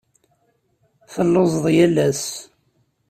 Telluẓeḍ yal ass.